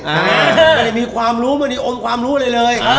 มันจะมีความรู้มันจะมีอมความรู้เลย